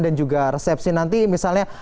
dan juga resepsi nanti misalnya